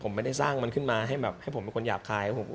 ผมไม่ได้สร้างมันขึ้นมาให้แบบให้ผมเป็นคนหยาบคาย